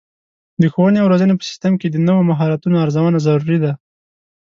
د ښوونې او روزنې په سیستم کې د نوو مهارتونو ارزونه ضروري ده.